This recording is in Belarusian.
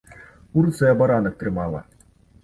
У руцэ абаранак трымала.